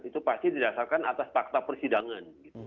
itu pasti didasarkan atas fakta persidangan